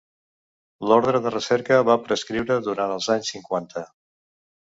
L'ordre de recerca va prescriure durant els anys cinquanta.